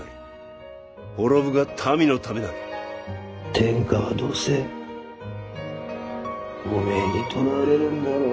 天下はどうせおめえに取られるんだろう。